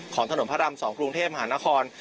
ของถนนพระราม๒กรุงเทพมหานคร